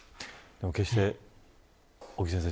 決して尾木先生